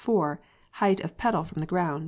Height of pedal from the ground.